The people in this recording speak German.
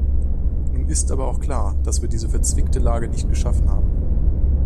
Nun ist aber auch klar, dass wir diese verzwickte Lage nicht geschaffen haben.